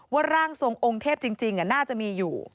ร่างทรงองค์เทพจริงน่าจะมีอยู่